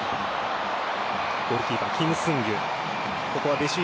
ゴールキーパー、キム・スンギュ。